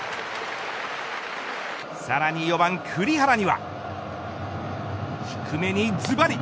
さらに４番、栗原には低めにずばり。